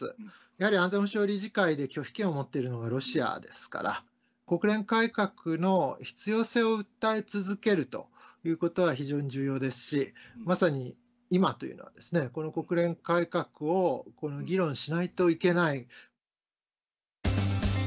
やはり安全保障理事会で拒否権を持っているのはロシアですから、国連改革の必要性を訴え続けるということは非常に重要ですし、まさに今というのは、この国連改革を議論しないといけない。